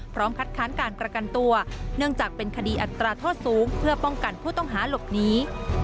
คัดค้านการประกันตัวเนื่องจากเป็นคดีอัตราโทษสูงเพื่อป้องกันผู้ต้องหาหลบหนี